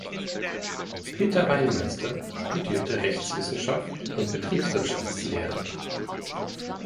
Peter Weinmeister studierte Rechtswissenschaft und Betriebswirtschaftslehre.